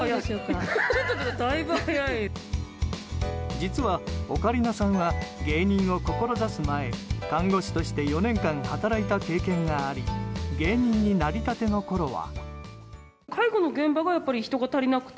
実はオカリナさんは芸人を志す前看護師として４年間、働いた経験があり芸人になりたてのころは。